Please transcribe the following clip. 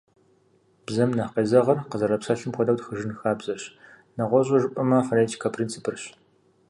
Бзэм нэхъ къезэгъыр къызэрапсэлъым хуэдэу тхыжын хабзэрщ, нэгъуэщӏу жыпӏэмэ, фонетикэ принципырщ.